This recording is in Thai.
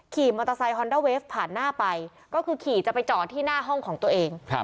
ขี่มอเตอร์ไซคอนด้าเวฟผ่านหน้าไปก็คือขี่จะไปจอดที่หน้าห้องของตัวเอง